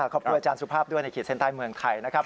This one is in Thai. ขอบคุณอาจารย์สุภาพด้วยในขีดเส้นใต้เมืองไทยนะครับ